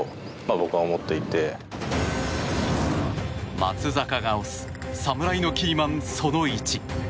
松坂が推す侍のキーマンその１